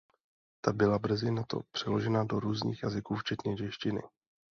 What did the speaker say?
Ta byla brzy na to přeložena do různých jazyků včetně češtiny.